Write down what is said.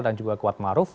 dan juga kuatmaruf